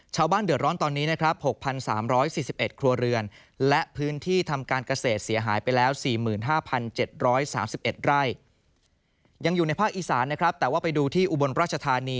ชาวบ้านเดือดร้อนตอนนี้๖๓๔๑ครัวเรือนและพื้นที่ทำการเกษตรเสียหายไปแล้ว๔๕๗๓๑ไร่